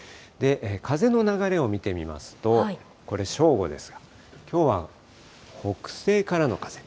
風の流れを見てみますと、これ、正午ですが、きょうは北西からの風。